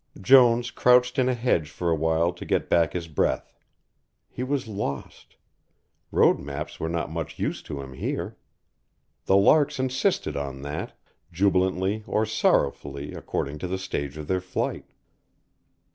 Jones crouched in a hedge for a while to get back his breath. He was lost. Road maps were not much use to him here. The larks insisted on that, jubilantly or sorrowfully according to the stage of their flight.